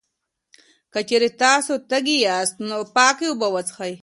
که چېرې تاسو تږی یاست، نو پاکې اوبه وڅښئ.